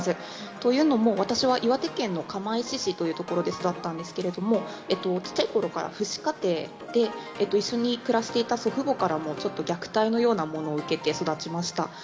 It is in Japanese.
というのも、私は岩手県の釜石市という所で育ったんですけれども、小っちゃいころから父子家庭で、一緒に暮らしていた祖父母からもちょっと虐待のようなものを受けて、育ちました。